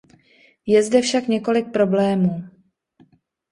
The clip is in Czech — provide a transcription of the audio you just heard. Je zde však několik problémů.